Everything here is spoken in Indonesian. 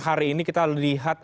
hari ini kita lihat